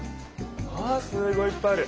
うわすごいいっぱいある。